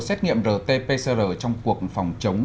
xét nghiệm rt pcr trong cuộc phòng chống